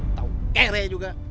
atau kere juga